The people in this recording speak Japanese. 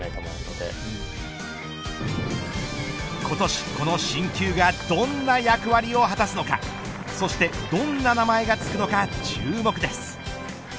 今年、この新球がどんな役割を果たすのかそしてどんな名前がつくのか注目です。